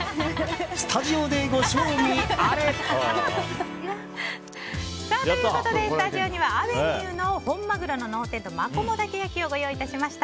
スタジオで、ご賞味あれ！ということで、スタジオにはあべにうの本マグロの脳天とマコモダケ焼をご用意しました。